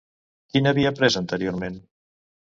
Qui n'havia pres anteriorment?